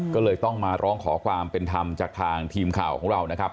ก็เลยต้องมาร้องขอความเป็นธรรมจากทางทีมข่าวของเรานะครับ